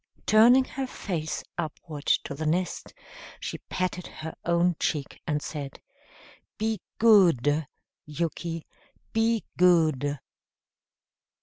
Turning her face upward to the nest, she patted her own cheek and said: "Be goodu, Yuki, be goodu."